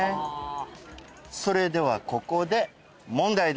それではここで問題でございます。